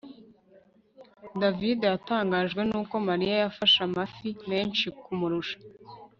davide yatangajwe nuko mariya yafashe amafi menshi kumurusha